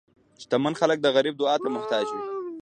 شتمن خلک د غریب دعا ته محتاج وي.